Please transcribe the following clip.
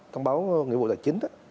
thông báo nghĩa vụ tài chính